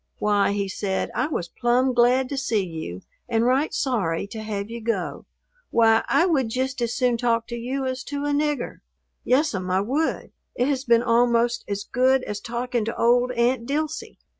"Why," he said, "I was plumb glad to see you and right sorry to have you go. Why, I would jist as soon talk to you as to a nigger. Yes'm, I would. It has been almost as good as talking to old Aunt Dilsey."